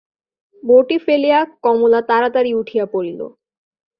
বঁটি ফেলিয়া কমলা তাড়াতাড়ি উঠিয়া পড়িল।